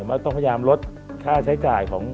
ว่าต้องพยายามลดค่าใช้จ่ายของ